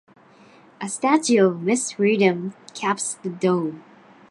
A statue of "Miss Freedom" caps the dome.